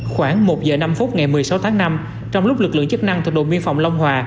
khoảng một giờ năm phút ngày một mươi sáu tháng năm trong lúc lực lượng chức năng thuộc đồn biên phòng long hòa